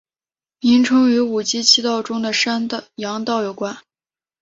名称与五畿七道中的山阳道有关。